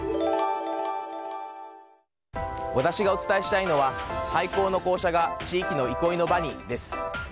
私がお伝えしたいのは廃校の校舎が地域の憩いの場にです。